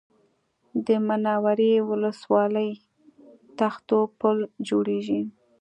د منورې ولسوالۍ تختو پل جوړېږي